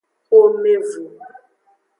Xomevu.